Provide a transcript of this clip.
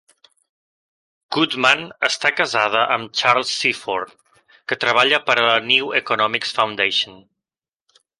Goodman està casada amb Charles Seaford, que treballa per a la New Economics Foundation.